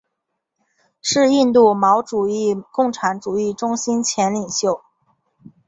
是印度毛主义共产主义中心前领袖。